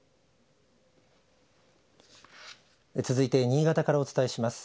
続いて新潟からお伝えします。